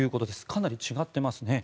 かなり違っていますね。